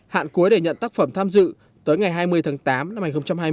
hạn cuối để nhận tác phẩm tham dự tới ngày hai mươi tháng tám năm hai nghìn hai mươi